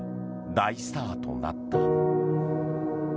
大スターとなった。